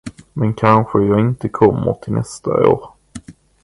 Men kanske jag inte kommer till nästa år.